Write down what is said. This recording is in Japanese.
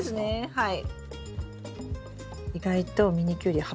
はい。